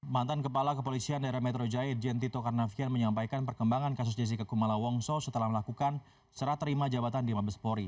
mantan kepala kepolisian daerah metro jaya jentito karnavian menyampaikan perkembangan kasus jessica kumala wongso setelah melakukan serah terima jabatan di mabespori